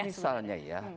kalau misalnya ya